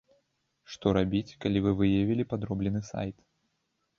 Што рабіць, калі вы выявілі падроблены сайт?